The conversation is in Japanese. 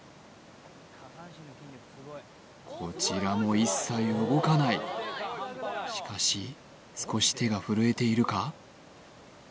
こちらも一切動かないしかし少し手が震えているか？